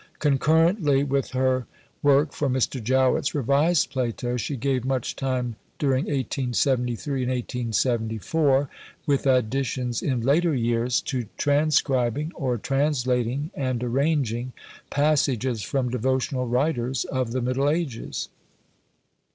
Concurrently with her work for Mr. Jowett's revised Plato she gave much time during 1873 and 1874 (with additions in later years) to transcribing or translating and arranging passages from devotional writers of the Middle Ages.